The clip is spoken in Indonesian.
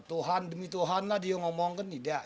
tuhan demi tuhan lah dia ngomong kan tidak